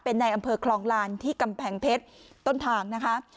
เป็นในอำเภอคลองลานที่กำแพงเพชรต้นทางนะคะ